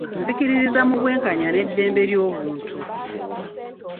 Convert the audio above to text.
Nzikiririza mu bwenkanya n'eddembe ly'obuntu.